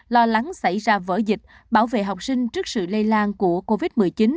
lo lắng xảy ra vỡ dịch bảo vệ học sinh trước sự lây lan của covid một mươi chín